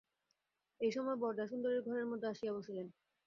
এই সময় বরদাসুন্দরী ঘরের মধ্যে আসিয়া বসিলেন।